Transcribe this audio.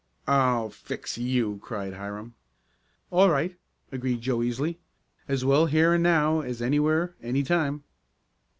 "I'll fix you!" cried Hiram. "All right," agreed Joe easily. "As well here and now as anywhere, anytime."